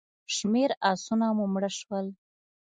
شمېر آسونه مو مړه شول.